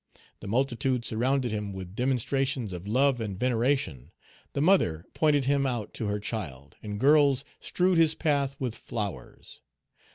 The multitude surrounded him with demonstrations of love and veneration; the mother pointed him out to her child, and girls strewed his path with flowers.